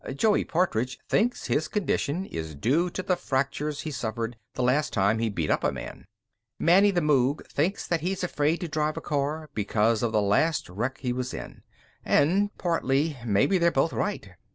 Joey Partridge thinks his condition is due to the fractures he suffered the last time he beat up a man; Manny the Moog thinks that he's afraid to drive a car because of the last wreck he was in. And, partly, maybe they're both right.